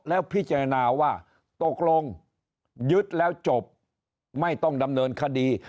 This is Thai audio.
แล้วพิจารณาว่าตกลงยึดแล้วจบไม่ต้องดำเนินคดี